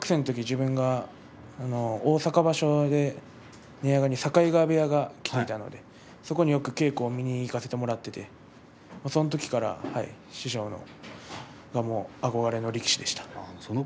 師匠は小学生のとき、自分が大阪場所で寝屋川に境川部屋が来ていたので稽古をよく見せてもらっていてそのときから師匠は憧れの力士でした。